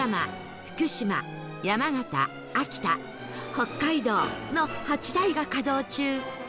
北海道の８台が稼働中